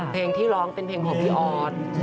เพลงที่ร้องเป็นเพลงของพี่ออส